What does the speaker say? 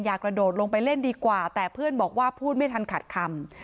กระโดดลงไปเล่นดีกว่าแต่เพื่อนบอกว่าพูดไม่ทันขาดคำ